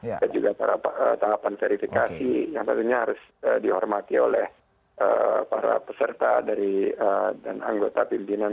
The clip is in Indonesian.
ada juga tahapan verifikasi yang tentunya harus dihormati oleh para peserta dan anggota pimpinan